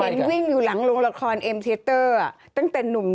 วิ่งอยู่หลังโรงละครเอ็มเทียเตอร์ตั้งแต่หนุ่ม